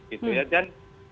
gitu ya dan